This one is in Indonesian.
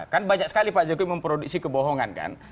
kan banyak sekali pak jokowi memproduksi kebohongan kan